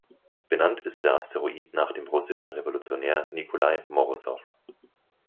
Benannt ist der Asteroid nach dem russischen Revolutionär Nikolai Morosow.